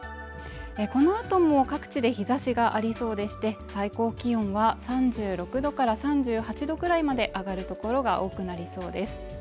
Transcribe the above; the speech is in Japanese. このあとも各地で日差しがありそうでして最高気温は３６度から３８度くらいまで上がる所が多くなりそうです